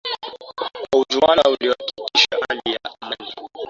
kwa ujumla ulihakikisha hali ya amani